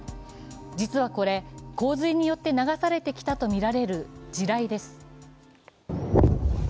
実はこれ、洪水によって流されてきたとみられる地雷です。